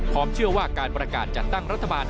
เชื่อว่าการประกาศจัดตั้งรัฐบาล